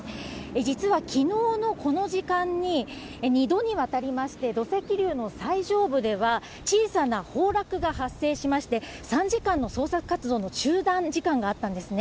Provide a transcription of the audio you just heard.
実はきのうのこの時間に、２度にわたりまして土石流の最上部では小さな崩落が発生しまして、３時間の捜索活動の中断時間があったんですね。